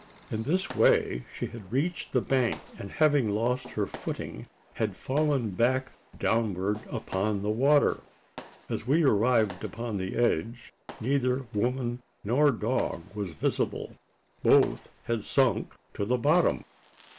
In this way she had reached the bank; and, having lost her footing, had fallen back downward upon the water! As we arrived upon the edge, neither woman nor dog was visible. Both had sunk to the bottom!